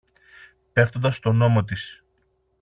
πέφτοντας στον ώμο της